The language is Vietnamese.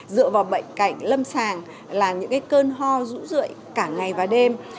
dựa vào bệnh cảnh lâm sàng là những cơn ho dũ dưỡi cả ngày và đêm